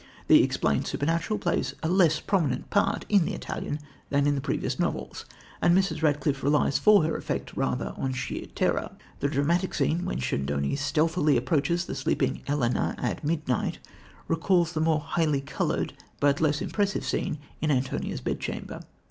The "explained supernatural" plays a less prominent part in The Italian than in the previous novels, and Mrs. Radcliffe relies for her effect rather on sheer terror. The dramatic scene where Schedoni stealthily approaches the sleeping Ellena at midnight recalls the more highly coloured, but less impressive scene in Antonia's bedchamber.